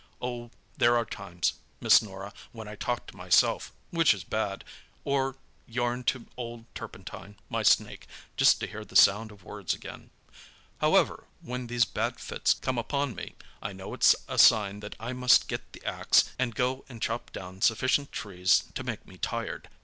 Oh, there are times, Miss Norah, when I talk to myself—which is bad—or yarn to old Turpentine, my snake, just to hear the sound of words again. However, when these bad fits come upon me I know it's a sign that I must get the axe and go and chop down sufficient trees to make me tired.